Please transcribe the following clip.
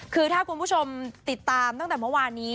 คือถ้าคุณผู้ชมติดตามตั้งแต่เมื่อวานนี้